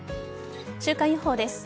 週間予報です。